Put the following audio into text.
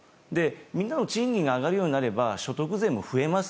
みんなも賃金が上がるようになれば所得税が増えます。